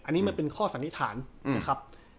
อันนี้มันเป็นข้อสันนิษฐานนะครับ